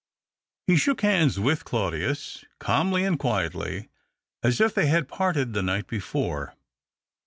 Me shook hands with Claudius, calmly and (|uietly, as if they had parted the night before.